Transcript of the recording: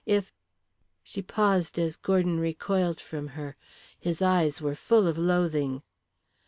If " She paused as Gordon recoiled from her. His eyes were full of loathing.